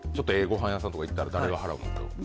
ご飯屋さんとか行ったら誰が払うの？